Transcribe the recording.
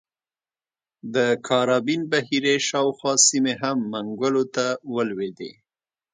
د کارابین بحیرې شاوخوا سیمې هم منګولو ته ولوېدې.